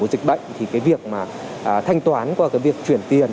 của dịch bệnh thì cái việc mà thanh toán qua cái việc chuyển tiền